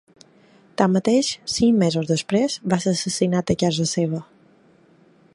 Tanmateix, cinc mesos després va ser assassinat a casa seva.